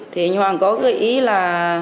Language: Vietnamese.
thì anh hoàng có gợi ý là